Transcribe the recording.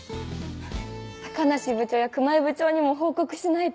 高梨部長や熊井部長にも報告しないと。